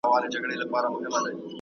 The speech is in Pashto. د پښتو ژبې شاعري زموږ د روح غذا ده.